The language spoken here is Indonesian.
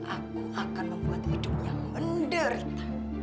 aku akan membuat hidupnya menderita